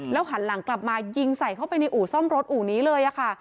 หันหลังกลับมายิงใส่เข้าไปในอู่ซ่อมรถอู่นี้เลยค่ะ